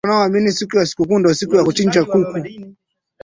mzee makamba nakushukuru sana jioni hii jumatatu hii